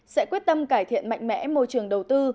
sẽ quyết tâm cải thiện mạnh mẽ môi trường đầu tư